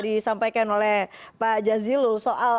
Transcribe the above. disampaikan oleh pak jazilul soal